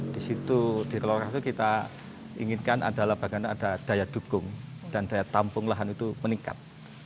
di situ di kelurahan itu kita inginkan adalah bagaimana ada daya dukung dan daya tampung lahan itu meningkat